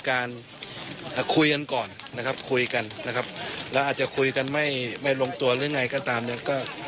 ก็คือเป็นการลงมาคุยก่อนแล้วก็ยืน